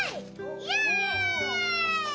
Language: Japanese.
イエイ！